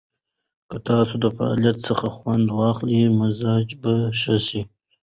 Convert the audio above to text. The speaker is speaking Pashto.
که تاسو د فعالیت څخه خوند واخلئ، مزاج به ښه شي.